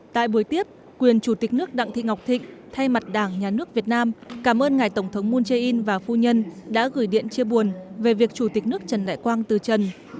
tại buổi tiếp quyền chủ tịch nước đặng thị ngọc thịnh thay mặt đảng nhà nước việt nam cảm ơn ngài tổng thống moon jae in và phu nhân đã gửi điện chia buồn về việc chủ tịch nước trần đại quang từ trần